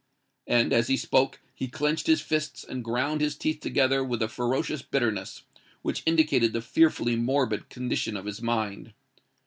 And, as he spoke, he clenched his fists and ground his teeth together with a ferocious bitterness, which indicated the fearfully morbid condition of his mind.